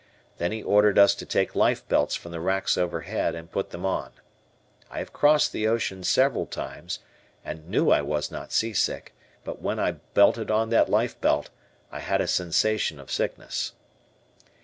Then he ordered us to take life belts from the racks overhead and put them on. I have crossed the ocean several times and knew I was not seasick, but when I budded on that life belt, I had a sensation of sickness.